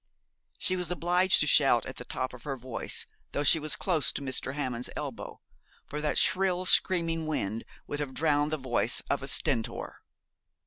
She was obliged to shout at the top of her voice, though she was close to Mr. Hammond's elbow, for that shrill screaming wind would have drowned the voice of a stentor.